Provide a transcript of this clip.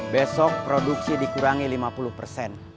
besok produksi dikurangi lima puluh persen